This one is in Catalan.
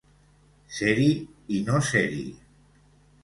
Ser-hi i no ser-hi.